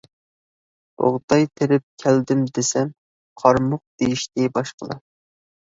بۇغداي تېرىپ كەلدىم دېسەم، قارىمۇق دېيىشتى باشقىلار.